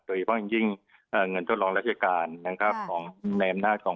โดยย่อภัยอย่างยิ่งเงินทดลองราชการของแนนท์นาคม